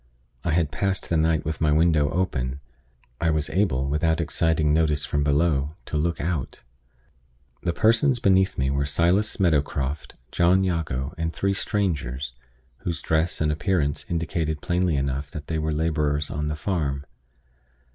I had passed the night with my window open; I was able, without exciting notice from below, to look out. The persons beneath me were Silas Meadowcroft, John Jago, and three strangers, whose dress and appearance indicated plainly enough that they were laborers on the farm.